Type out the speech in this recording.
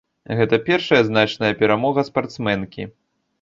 Гэта першая значная перамога спартсменкі.